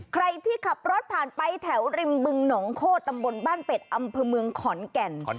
ใครที่ขับรถผ่านไปแถวริมบึงหนองโคตรตำบลบ้านเป็ดอำเภอเมืองขอนแก่น